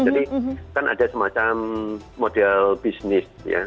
jadi kan ada semacam model bisnis ya